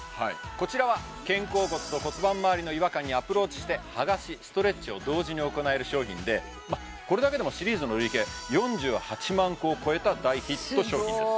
こちらは肩甲骨と骨盤周りの違和感にアプローチしてはがしストレッチを同時に行える商品でこれだけでもシリーズの累計４８万個を超えた大ヒット商品です